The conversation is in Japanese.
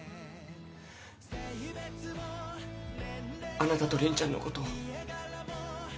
あなたと凛ちゃんのこと。